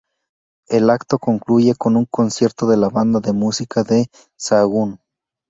El acto concluye con un concierto de la banda de Música de Sahagún.